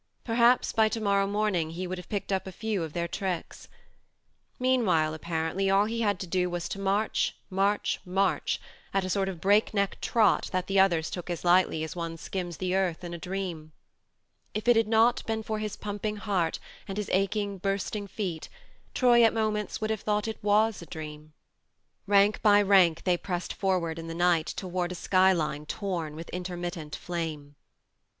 Perhaps by to morrow morning he would have picked up a few of their tricks. Meanwhile, apparently, all he had to do was to march, march, march, at a sort of break neck trot that the others took as lightly as one skims the earth in a dream. If it had not been for his pumping heart and his aching bursting feet, Troy at moments would have thought it was a dream. ... Rank by rank they pressed forward THE MARNE 123 in the night toward a sky line torn with intermittent flame.